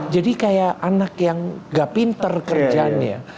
jadi kayak anak yang nggak pinter kerjanya